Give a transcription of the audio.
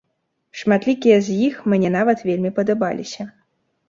Шматлікія з іх мне нават вельмі падабаліся.